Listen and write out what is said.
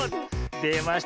でました。